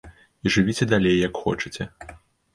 І жывіце далей як хочаце.